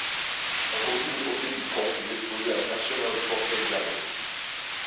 Un croquis de profil du comte est exposé à la National Portrait Gallery.